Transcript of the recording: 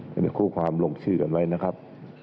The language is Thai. ในคู่ความลงชื่อกันไว้นะครับ